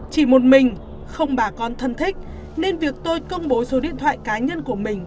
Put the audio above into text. chỉ một mình không bà con thân thích nên việc tôi công bố số điện thoại cá nhân của mình